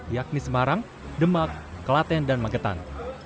yakni semarang demak kelaten dan magetan